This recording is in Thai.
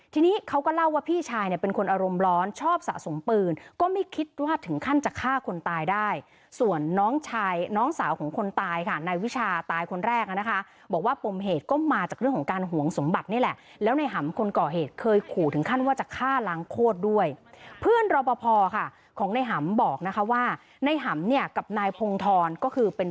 ทีนี้เขาก็เล่าว่าพี่ชายเป็นคนอารมณ์ร้อน